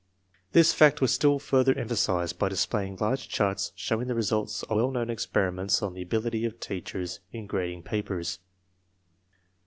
This fact was still further emphasized by displaying large charts showing the results of well known experiments on the ability of teachers in grading papers.